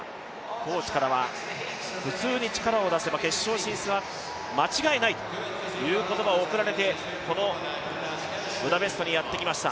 コーチからは普通に力を出せば決勝進出は間違いないという言葉を贈られてこのブダペストにやってきました。